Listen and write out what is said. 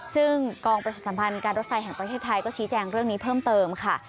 ซึ่งกองประชาสัมพันธ์การรถไฟแห่งประเทศไทยก็ชี้แจงเรื่องนี้เพิ่มเติมค่ะ